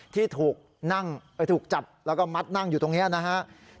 ที่ถูกนั่งถูกจับแล้วก็มัดนั่งอยู่ตรงนี้นะครับ